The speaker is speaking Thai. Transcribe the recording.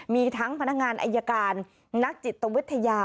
มีทั้งพนักงานอายการนักจิตวิทยา